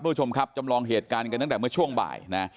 ผู้ชมครับจำลองเหตุการณ์กันตั้งแต่เมื่อช่วงบ่ายนะ